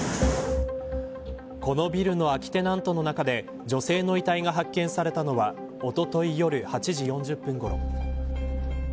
このビルの空きテナントの中で女性の遺体が発見されたのはおととい夜、８時４０分ごろ。